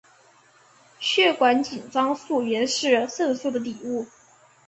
血管紧张素原是肾素的底物。